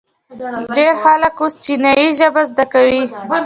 ډیر خلک اوس چینایي ژبه زده کوي.